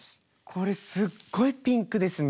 これすっごいピンクですね。